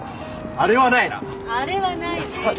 あれはない。